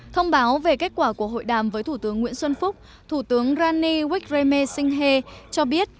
thông báo về kết quả của hội đàm với thủ tướng nguyễn xuân phúc thủ tướng rani wikrayme singhe cho biết